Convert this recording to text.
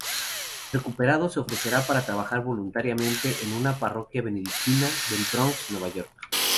Recuperado, se ofrecerá para trabajar voluntariamente en una parroquia benedictina del Bronx, Nueva York.